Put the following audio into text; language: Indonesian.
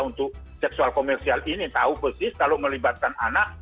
untuk seksual komersial ini tahu persis kalau melibatkan anak